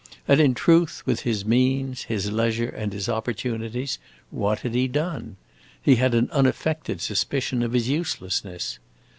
And in truth, with his means, his leisure, and his opportunities, what had he done? He had an unaffected suspicion of his uselessness.